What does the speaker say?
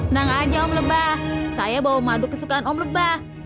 nang aja om lebah saya bawa madu kesukaan om lebah